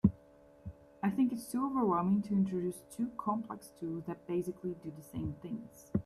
I think it’s too overwhelming to introduce two complex tools that basically do the same things.